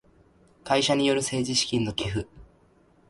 会社による政治資金の寄付